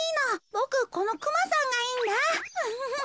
ボクこのクマさんがいいんだ。